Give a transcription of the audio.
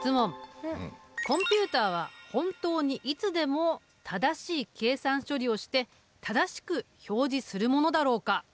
コンピュータは本当にいつでも正しい計算処理をして正しく表示するものだろうか？